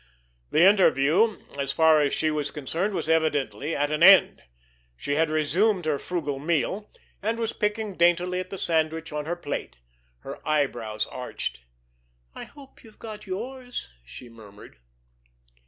The interview, as far as she was concerned, was evidently at an end. She had resumed her frugal meal, and was picking daintily at the sandwich on her plate. Her eyebrows arched. "I hope you've got yours," she murmured.